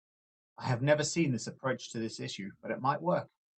I have never seen this approach to this issue, but it might work.